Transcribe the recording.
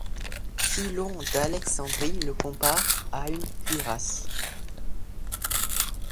Philon d'Alexandrie le compare à une cuirasse.